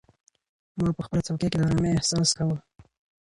ما په خپله څوکۍ کې د ارامۍ احساس کاوه.